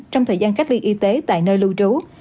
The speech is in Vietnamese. trong thời gian cách ly y tế tại nơi lưu trú